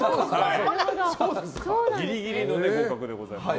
ギリギリの合格でございます。